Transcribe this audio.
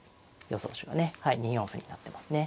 予想手がね２四歩になってますね。